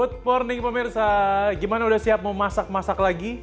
good morning pemirsa gimana udah siap mau masak masak lagi